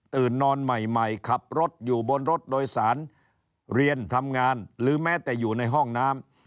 นอนใหม่ขับรถอยู่บนรถโดยสารเรียนทำงานหรือแม้แต่อยู่ในห้องน้ำ